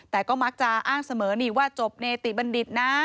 แต่ก็มักจะอ้างเสมอนี่ว่าจบเนติบัณฑิตนะ